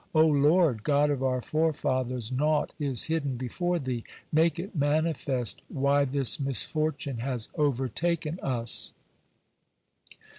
O Lord, God of our forefathers, naught is hidden before Thee. Make it manifest why this misfortune has overtaken us."